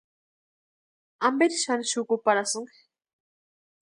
¿Amperi xani xukuparhasïnki?